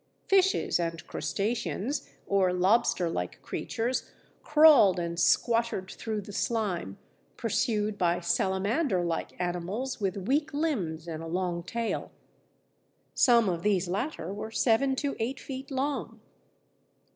Fishes and crustaceans, or lobster like creatures, crawled and squattered through the slime, pursued by salamander like animals with weak limbs and a long tail. Some of these latter were seven to eight feet long.